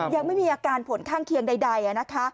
ยังไม่มีอาการผลข้างเคียงใดนะคะ